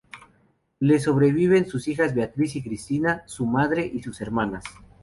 Le sobreviven sus hijas Beatriz y Cristina, su madre y sus hermanas.